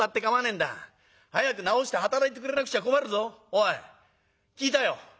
おい聞いたよ」。